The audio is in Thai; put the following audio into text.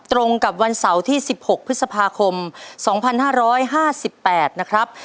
ตรงกับวันเสาร์ที่๑๖พฤษภาคม๒๕๕๘นะครับ